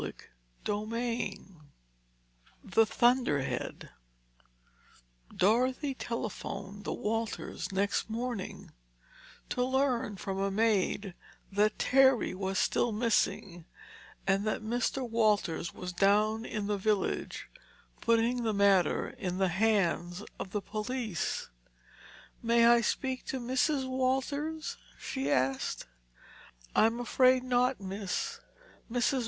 Chapter IV THE THUNDERHEAD Dorothy telephoned the Walters next morning, to learn from a maid that Terry was still missing, and that Mr. Walters was down in the village, putting the matter in the hands of the police. "May I speak to Mrs. Walters?" she asked. "I'm afraid not, miss. Mrs.